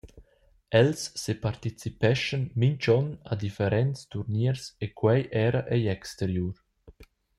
Els separticipeschan mintg’onn a differents turniers e quei era egl exteriur.